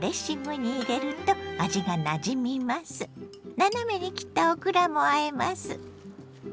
斜めに切ったオクラもあえます。